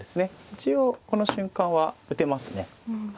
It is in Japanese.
一応この瞬間は打てますね。